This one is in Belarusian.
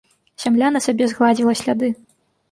Зямля на сабе згладзіла сляды.